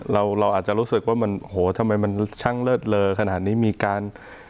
เราเราอาจจะรู้สึกว่ามันโหทำไมมันช่างเลิศเลอขนาดนี้มีการ